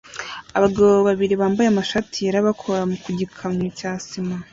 Abagabo babiri bambaye amashati yera bakora ku gikamyo cya sima